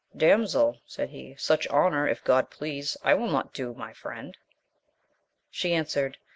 Damsel, said he, such honour, if God please, I will not do my friend. She answered.